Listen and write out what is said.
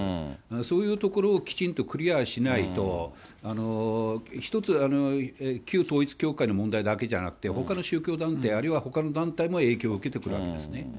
そういうところをきちんとクリアしないと、一つ、旧統一教会の問題だけじゃなくて、ほかの宗教団体、あるいはほかの団体も影響を受けてくるわけですね。